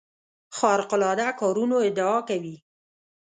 خارق العاده کارونو ادعا کوي.